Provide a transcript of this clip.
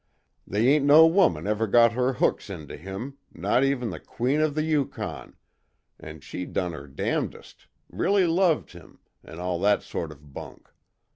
They ain't no woman ever got her hooks into him not even The Queen of the Yukon an' she done her damndest really loved him, an' all that sort of bunk.